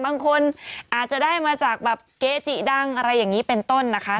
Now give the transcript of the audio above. บางคนอาจจะได้มาจากแบบเกจิดังอะไรอย่างนี้เป็นต้นนะคะ